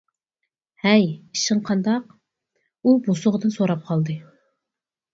-ھەي ئىشىڭ قانداق؟ ئۇ بوسۇغىدىن سوراپ قالدى.